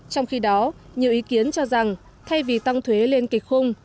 trong khi đó nhiều ý kiến cho rằng thay vì tăng thuế lên kịch khung